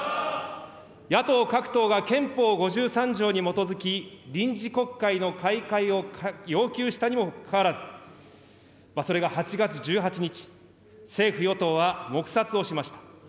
野党各党が憲法５３条に基づき、臨時国会の開会を要求したにもかかわらず、それが８月１８日、政府・与党は黙殺をしました。